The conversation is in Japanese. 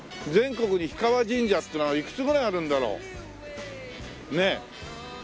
全国に氷川神社っていうのはいくつぐらいあるんだろう？ねえ。